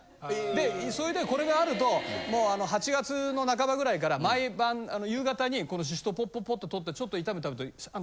でそいでこれがあるともう８月の半ばぐらいから毎晩夕方にこのししとうポッポッととってちょっと炒めて食べると。